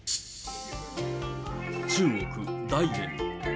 中国・大連。